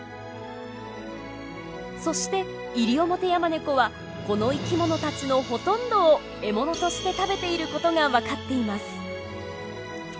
そしてイリオモテヤマネコはこの生き物たちのほとんどを獲物として食べていることが分かっています。